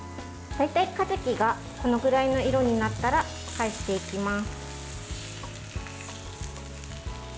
大体、かじきがこのぐらいの色になったら返していきます。